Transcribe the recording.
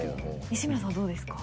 西村さんはどうですか？